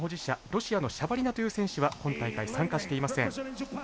ロシアのシャバリナという選手は今大会、参加していません。